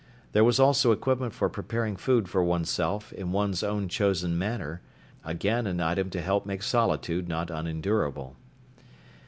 There was also equipment for preparing food for oneself, in one's own chosen manner again an item to help make solitude not unendurable.